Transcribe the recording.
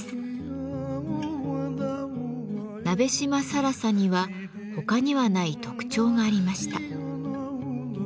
鍋島更紗には他にはない特徴がありました。